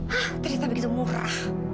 hah ternyata begitu murah